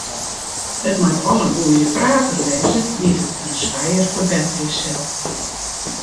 It moat al in goede prater wêze dy't it in swijer ferbetterje sil.